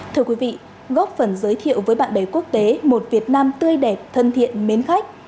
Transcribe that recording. thưa quý vị góp phần giới thiệu với bạn bè quốc tế một việt nam tươi đẹp thân thiện mến khách